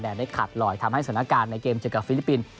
ได้ขาดลอยทำให้สถานการณ์ในเกมเจอกับฟิลิปปินส์